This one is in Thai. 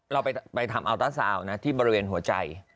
เราไปทำอัลต้าซาวน์นะที่บริเวณหัวใจ